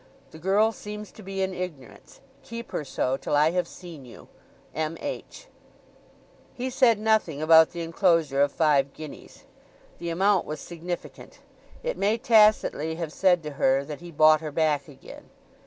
The girl seems to be in ignorance. Keep her so till I have seen you. M. H." He said nothing about the enclosure of five guineas. The amount was significant; it may tacitly have said to her that he bought her back again.